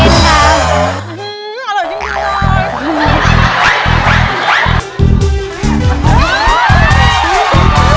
อื้มอร่อยจริงเลย